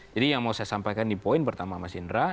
jadi yang mau saya sampaikan di poin pertama mas indra